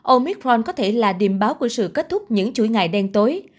omitron có thể là điểm báo của sự kết thúc những chuỗi ngày đen tối